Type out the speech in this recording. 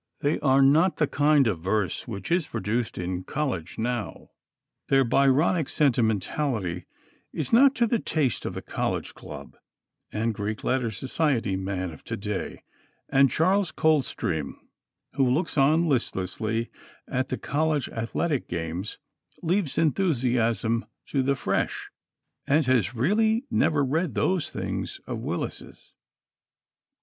They are not the kind of verse which is produced in college now. Their Byronic sentimentality is not to the taste of the college club and Greek Letter Society man of to day; and Charles Coldstream, who looks on listlessly at the college athletic games, leaves enthusiasm to "the Fresh," and has "really never read those things of Willis's."